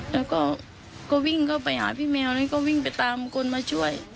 แล้วก็ก็วิ่งเข้าไปหาพี่แมวแล้วก็วิ่งไปตามคนมาช่วย